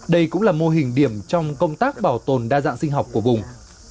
đây cũng là mô hình điểm trong công tác bảo tồn đa dạng sinh học của vùng